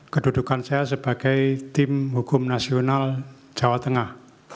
kedudukan saya sebagai tim hukum nasional jawa tengah